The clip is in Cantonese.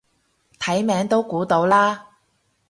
睇名都估到啦